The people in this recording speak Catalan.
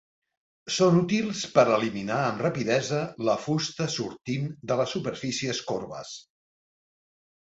Són útils per eliminar amb rapidesa la fusta sortint de les superfícies corbes.